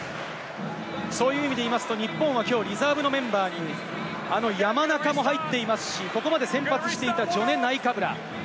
そういう意味でいうと日本はきょうリザーブのメンバーに山中も入っていますし、ここまで先発していたジョネ・ナイカブラ。